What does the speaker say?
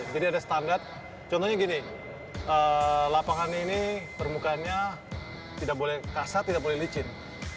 jadi ada standar contohnya gini lapangan ini permukaannya tidak boleh kasat tidak boleh licin